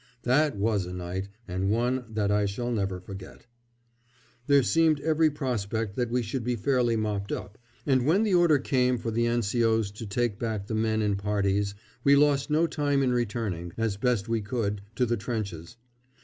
That was a night, and one that I shall never forget. There seemed every prospect that we should be fairly mopped up, and when the order came for the N.C.O.'s to take back the men in parties we lost no time in returning, as best we could, to the trenches.